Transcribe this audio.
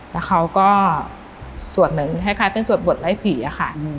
แล้วเขาก็สวดเหมือนคล้ายคล้ายเป็นสวดบทไร้ผีอะค่ะอืม